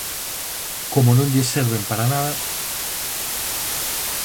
Como non lles serven para nada